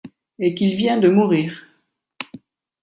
Et qu'il vient de mourir.